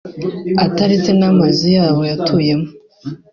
ataretse n’amazu yabo batuyemo